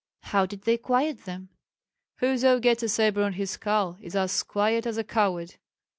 "How did they quiet them?" "Whoso gets a sabre on his skull is as quiet as a coward."